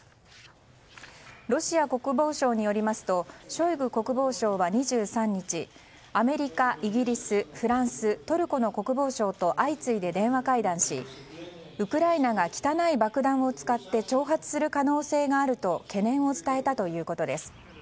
ロシア国防省によりますとショイグ国防相は２３日アメリカ、イギリス、フランストルコの国防相と相次いで電話会談しウクライナが汚い爆弾を使って挑発する可能性があると懸念を伝えたということです。